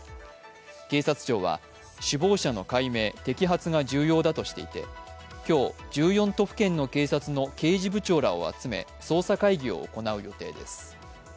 警視庁は首謀者の解明摘発が重要だとしていて今日、１４都府県の警察の刑事部長らを集め捜査会議を行う予定です。